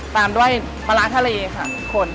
ตามด้วยปลาร้าทะเลค่ะทุกคน